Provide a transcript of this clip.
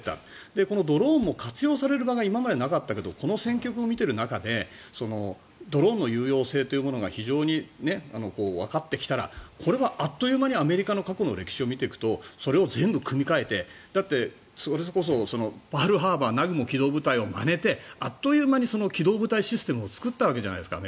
で、このドローンも今まで活用される場面が今までなかったけどこの戦局を見ていく中でドローンの有用性というのが非常にわかってきたらこれはあっという間にアメリカの過去の歴史を見ていくとそれを全部組み替えてそれこそパール・ハーバー南雲機動部隊をまねてあっという間に機動部隊システムを作ったわけじゃないですか。